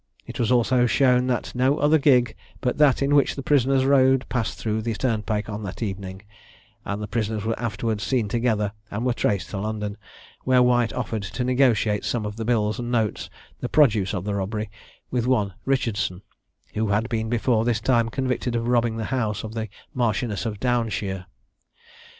It was also shown that no other gig but that in which the prisoners rode passed through the turnpike on that evening, and the prisoners were afterwards seen together, and were traced to London, where White offered to negotiate some of the bills and notes, the produce of the robbery, with one Richardson, who had been before this time convicted of robbing the house of the Marchioness of Downshire.